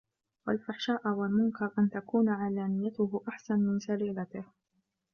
وَالْفَحْشَاءَ وَالْمُنْكَرَ أَنْ تَكُونَ عَلَانِيَتُهُ أَحْسَنَ مِنْ سَرِيرَتِهِ